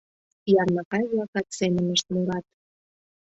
Ярмакай-влакат семынышт мурат...